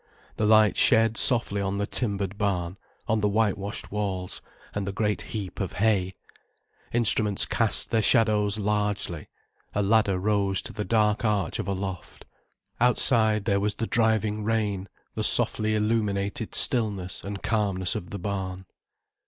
The light shed softly on the timbered barn, on the whitewashed walls, and the great heap of hay; instruments cast their shadows largely, a ladder rose to the dark arch of a loft. Outside there was the driving rain, inside, the softly illuminated stillness and calmness of the barn.